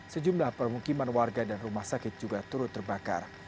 sejumlah permukiman warga dan rumah sakit juga turut terbakar